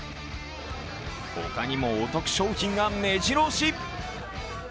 他にもお得商品がめじろ押し。